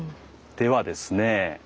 ではですね